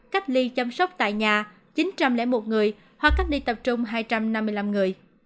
cách ly chăm sóc tại nhà chín trăm linh một người hoặc cách ly tập trung hai trăm năm mươi năm người